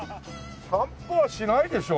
散歩はしないでしょ？